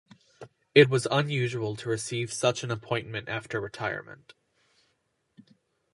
It was unusual to receive such an appointment after retirement.